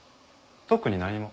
特に何も。